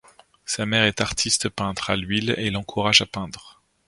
Sa mère est artiste peintre à l'huile et l'encourage à peindre.